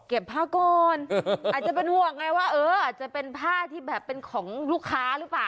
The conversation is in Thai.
ผ้าก่อนอาจจะเป็นห่วงไงว่าเอออาจจะเป็นผ้าที่แบบเป็นของลูกค้าหรือเปล่า